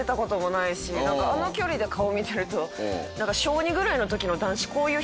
あの距離で顔見てるとなんか。